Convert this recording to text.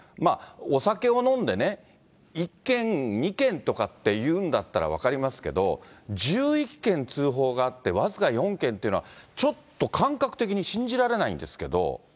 お酒を飲んでね、１件、２件とかいうんだったら分かりますけど、１１件通報があって、僅か４件というのは、ちょっと感覚的に信じられないんですけど。